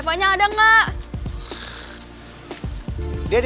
kayak monyet dikasih pisang